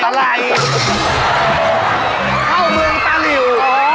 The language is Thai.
เข้าเมืองตะหลิว